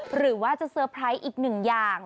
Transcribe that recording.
หรือว่าจะเตอร์ไพรส์อีกหนึ่งอย่าง